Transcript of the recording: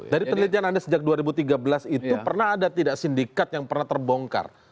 dari penelitian anda sejak dua ribu tiga belas itu pernah ada tidak sindikat yang pernah terbongkar